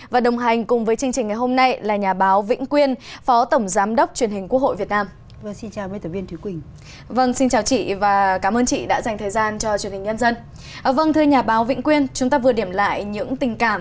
vâng thưa nhà báo vĩnh quyên chúng ta vừa điểm lại những tình cảm